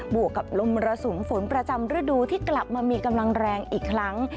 วกกับลมมรสุมฝนประจำฤดูที่กลับมามีกำลังแรงอีกครั้ง